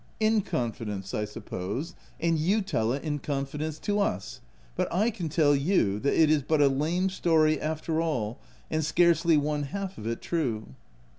u In confidence, I suppose ; and you tell it in confidence to us ; but / can tell you that it is but a lame story after all, and scarcely one half of it true."